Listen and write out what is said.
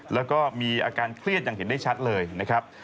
แล้วก็มีอาการเครียดอย่างเห็นได้ชัดเลยนะครับ